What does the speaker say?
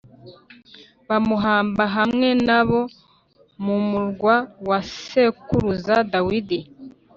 bamuhamba hamwe na bo mu murwa wa sekuruza Dawidi